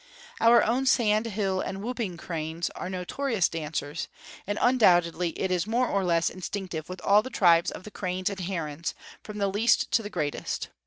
Our own sand hill and whooping cranes are notorious dancers; and undoubtedly it is more or less instinctive with all the tribes of the cranes and herons, from the least to the greatest.